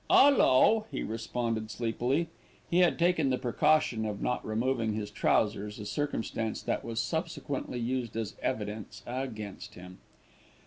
"'Ullo!" he responded sleepily. He had taken the precaution of not removing his trousers, a circumstance that was subsequently used as evidence against him.